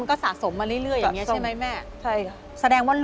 คือนุกก็ไม่รู้แหละที่เลี่ยงเป็นใคร